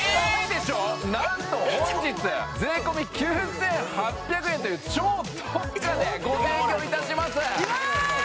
でしょなんと本日税込９８００円という超特価でご提供いたしますわーい！